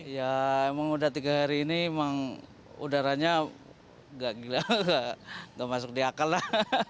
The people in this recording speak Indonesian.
ya emang udah tiga hari ini emang udaranya nggak masuk di akal lah